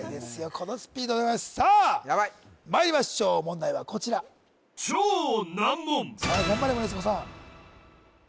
このスピードでございますさあまいりましょうヤバい問題はこちらさあ頑張れ森迫さん